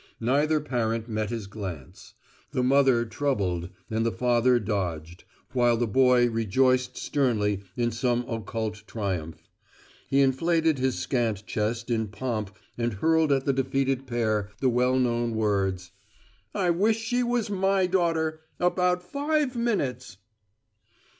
Neither parent met his glance; the mother troubled and the father dogged, while the boy rejoiced sternly in some occult triumph. He inflated his scant chest in pomp and hurled at the defeated pair the well known words: "I wish she was my daughter about five minutes!"